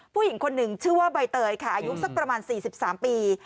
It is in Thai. ผู้หญิงคนหนึ่งชื่อว่าใบเตยค่ะอายุสักประมาณ๔๓ปี